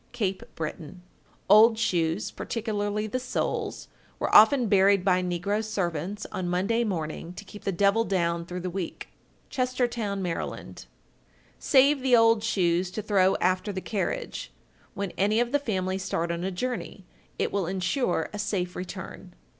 Cape Breton. 1395. Old shoes, particularly the soles, were often buried by negro servants on Monday morning to keep the devil down through the week. Chestertown, Md. 1396. Save the old shoes to throw after the carriage, when any of the family start on a journey; it will insure a safe return.